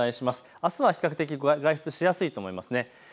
あすは比較的、外出しやすいと思います。